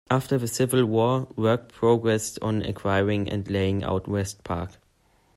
After the Civil War, work progressed on acquiring and laying out West Park.